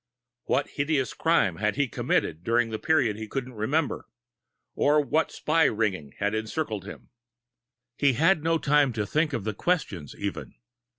What hideous crime could he have committed during the period he couldn't remember? Or what spy ring had encircled him? He had no time to think of the questions, even.